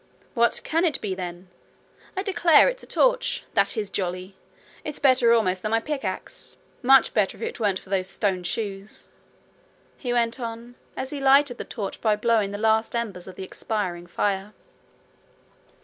'What can it be, then? I declare it's a torch. That is jolly! It's better almost than my pickaxe. Much better if it weren't for those stone shoes!' he went on, as he lighted the torch by blowing the last embers of the expiring fire.